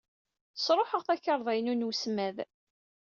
Sṛuḥeɣ takarḍa-inu n wesmad.